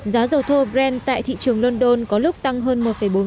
giá dầu thô brand tại thị trường london có lúc tăng hơn một bốn